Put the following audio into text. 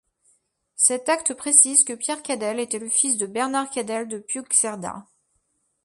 Cet acte précise que Pierre Cadell était le fils de Bernard Cadell de Puigcerda.